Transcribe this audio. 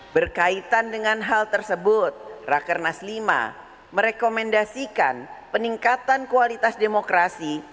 berkaitan dengan hal tersebut rakernas lima merekomendasikan peningkatan kualitas demokrasi